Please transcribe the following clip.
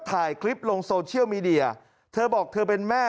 ถ่ายคลิปลงโซเชียลมีเดียเธอบอกเธอเป็นแม่